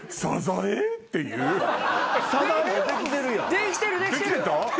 できてた？